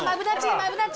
マブダチ！